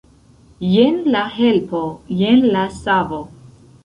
Jen la helpo, jen la savo!